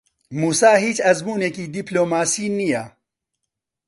مووسا هیچ ئەزموونێکی دیپلۆماسی نییە.